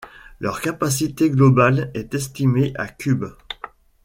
Leur capacité globale est estimée à cubes.